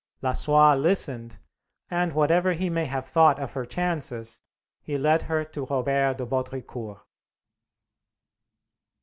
Lassois listened, and, whatever he may have thought of her chances, he led her to Robert de Baudricourt.